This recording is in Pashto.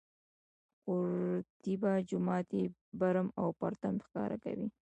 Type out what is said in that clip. قورطیبه جومات یې برم او پرتم ښکاره کوي.